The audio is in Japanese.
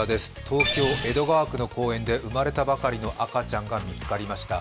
東京・江戸川区の公園で生まれたばかりの赤ちゃんが見つかりました。